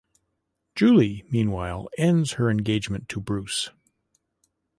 Julie, meanwhile, ends her engagement to Bruce.